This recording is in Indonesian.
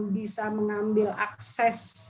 bisa mengambil akses